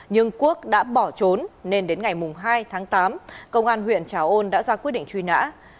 nhưng quốc đã bỏ trốn nên đến ngày hai tháng tám công an huyện trà ôn đã ra quyết định truy nã